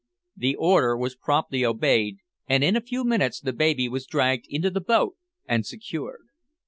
The order was promptly obeyed, and in a few minutes the baby was dragged into the boat and secured.